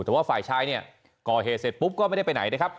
แต่ว่าฝ่ายชายเนี่ยก่อเหตุเสร็จปุ๊บก็ไม่ได้ไปไหนนะครับ